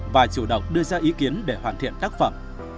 và chủ động đưa ra ý kiến để hoàn thiện tác phẩm